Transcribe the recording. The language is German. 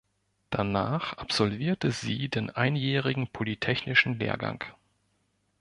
Danach absolvierte sie den einjährigen polytechnischen Lehrgang.